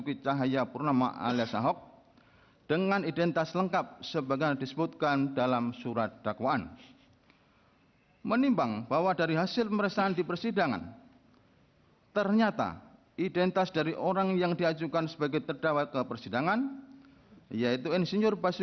kepulauan seribu kepulauan seribu